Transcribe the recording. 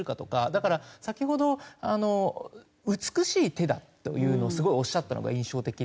だから先ほど「美しい手だ」というのをすごいおっしゃったのが印象的で。